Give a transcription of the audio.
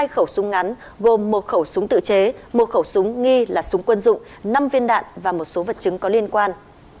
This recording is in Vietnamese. hai khẩu súng ngắn gồm một khẩu súng tự chế một khẩu súng nghi là súng quân dụng năm viên đạn và một số vật chứng có liên quan